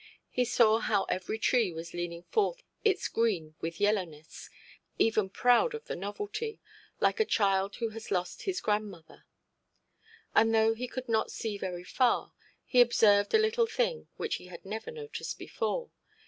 He saw how every tree was leaning forth its green with yellowness; even proud of the novelty, like a child who has lost his grandmother. And though he could not see very far, he observed a little thing which he had never noticed before.